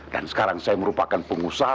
dan sekarang saya merupakan pengusaha